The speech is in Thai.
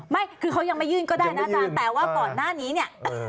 ไม่คือเขายังไม่ยื่นก็ได้นะอาจารย์แต่ว่าก่อนหน้านี้เนี่ย